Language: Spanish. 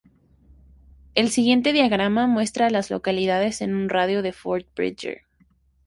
El siguiente diagrama muestra a las localidades en un radio de de Fort Bridger.